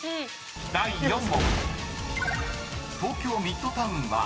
［第４問］